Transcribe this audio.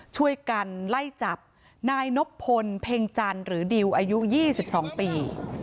ช่วยกันไล่จับนายนบพลเพ็งจันทร์หรือดิวอายุ๒๒ปี